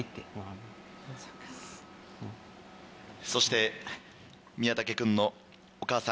そして宮武君のお母さん